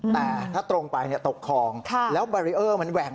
แต่ถ้าตรงไปตกคลองแล้วบารีเออร์มันแหว่ง